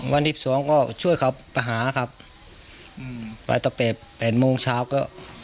วันที่สองก็ช่วยเขาไปหาครับอืมไปตั้งแต่แปดโมงเช้าก็